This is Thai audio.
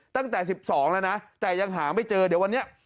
ตั้งแต่๑๒แล้วนะแต่ยังหาไม่เจอเดี๋ยววันนี้